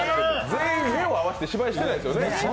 全員、目を合わせて芝居してないですよね。